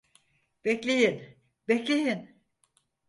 Bekleyin, bekleyin!